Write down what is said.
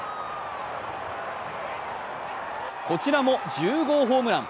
こちらも１０号ホームラン。